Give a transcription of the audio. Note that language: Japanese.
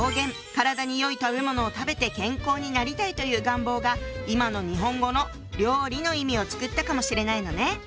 「体によい食べものを食べて健康になりたい！」という願望が今の日本語の「料理」の意味を作ったかもしれないのね。